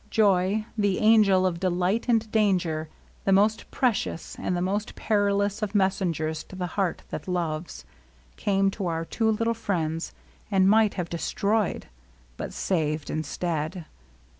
Joy, the Angel of Delight and Danger, the most precious and the most perilous of messengers to the heart that loves, came to our two little friends, and might have de stroyed, but saved instead.